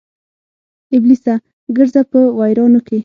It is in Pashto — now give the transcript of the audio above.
ابلیسه ګرځه په ویرانو کې